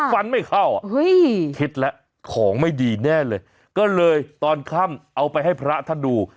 ฟันไม่เข้าอ่ะคิดแล้วของไม่ดีแน่เลยก็เลยตอนค่ำเอาไปให้พระท่านดู